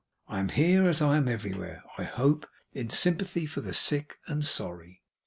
I am here, as I am everywhere, I hope, in sympathy for the sick and sorry.